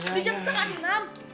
udah siap setengah enam